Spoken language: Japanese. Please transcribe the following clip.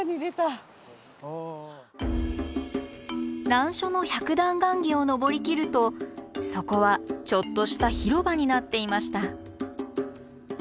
難所の百段ガンギを登りきるとそこはちょっとした広場になっていました。